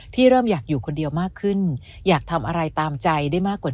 พี่เริ่มอยากอยู่คนเดียวมากขึ้นอยากทำอะไรตามใจได้มากกว่า